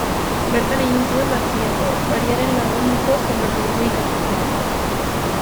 Bertan egin zuen batxilergoa, Mariaren Lagundiko San Bartolome ikastetxean.